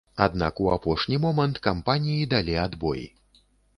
Аднак у апошні момант кампаніі далі адбой.